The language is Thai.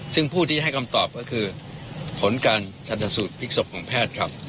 ซึ่งผู้ที่ให้คำตอบก็คือผลการชันสูตรพลิกศพของแพทย์ครับ